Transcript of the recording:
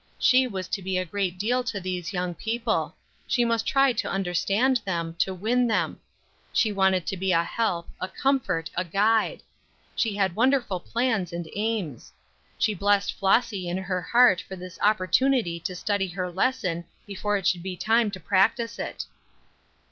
She was to be a great deal to these young people; she must try to understand them, to win them. She wanted to be a help, a comfort, a guide. She had wonderful plans and aims. She blessed Flossy in her heart for this opportunity to study her lesson before it should be time to practise it.